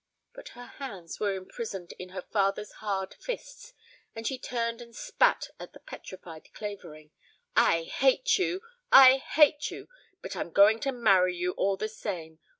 But her hands were imprisoned in her father's hard fists, and she turned and spat at the petrified Clavering. "I hate you! I hate you! But I'm going to marry you all the same.